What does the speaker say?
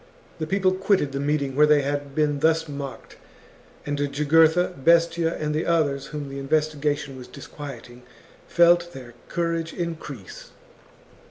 The people quitted the meeting where they had been thus mocked, and Jugurtha, Bestia, and the others whom the investigation was dis quieting, felt their courage increase.